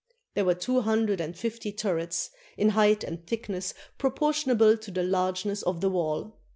There were two hundred and fifty tur rets, in height and thickness proportionable to the large ness of the wall.